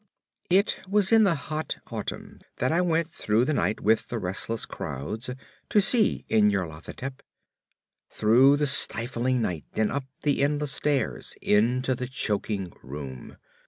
It was in the hot autumn that I went through the night with the restless crowds to see Nyarlathotep; through the stifling night and up the endless stairs into the choking room.